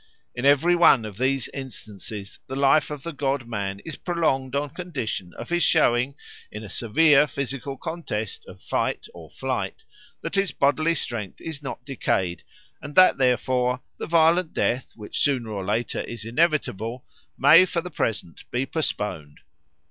In every one of these instances the life of the god man is prolonged on condition of his showing, in a severe physical contest of fight or flight, that his bodily strength is not decayed, and that, therefore, the violent death, which sooner or later is inevitable, may for the present be postponed.